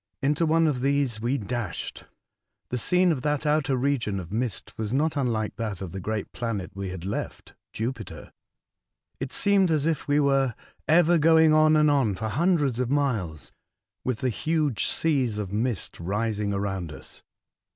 Into one of these we dashed. The scene of that outer region of mist ■was not unlike that of the great planet we had left — Jupiter. It seemed as if we were ever going on and on for hundreds of miles, with the huge seas of mist rising around us.